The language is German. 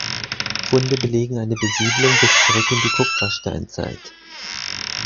Funde belegen eine Besiedlung bis zurück in die Kupfersteinzeit.